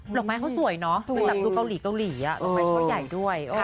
หลังไม้เขาสวยเนาะซึ่งดูเกาหลีอะหลังไม้เขาใหญ่ด้วย